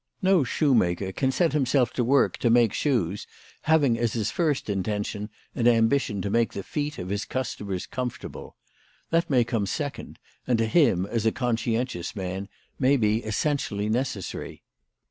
No shoemaker can set himself to work to make shoes having as his first intention an ambition to make the feet of his customers comfortable. That may come second, and to him, as a conscientious man, may be essentially necessary.